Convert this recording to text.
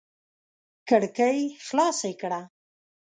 کړکۍ خلاصې کړه!